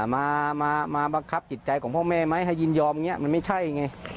มาบังคับจิตใจของพ่อแม่ไหมให้ยินยอมอย่างนี้มันไม่ใช่ไง